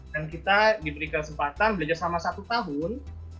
dan kita diberikan kesempatan belajar selama satu tahun